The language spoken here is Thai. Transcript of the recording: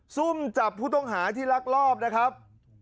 ซุ่มจับผู้ต้องหาที่ลักลอบนะครับ